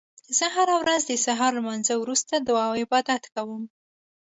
زه هره ورځ د سهار لمانځه وروسته دعا او عبادت کوم